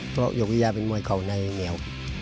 เพราะยกวิยาเป็นมวยเขาในเหนียว